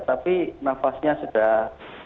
tapi nafasnya sudah